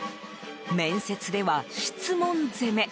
面接では質問攻め。